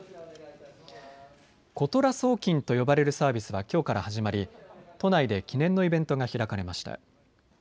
ことら送金と呼ばれるサービスはきょうから始まり都内で記念のイベントが開かれました。